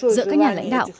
giữa các nhà lãnh đạo